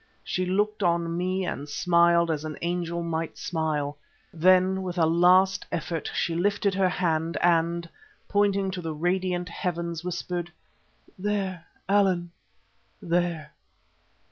She looked on me and smiled as an angel might smile. Then with a last effort she lifted her hand, and, pointing to the radiant heavens, whispered: "_There, Allan, there!